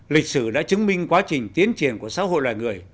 lịch sử đã chứng minh quá trình tiến triển của xã hội loài người